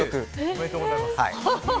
おめでとうございます！